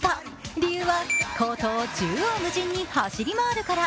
理由はコートを縦横無尽に走り回るから。